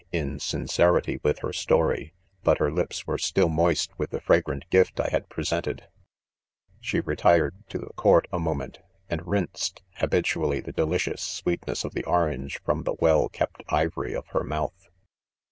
in sincerity, with her story j but her lips were' still moist with the fragrant' gift I had present ed* She retired to the court, a moment, and rinced, habitually, the delicious sweetness of the orange from the "^well kept 'ivory of her mouth.